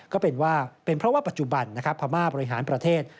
ก็เป็นเพราะว่าปัจจุบันพม่าบริหารประเทศ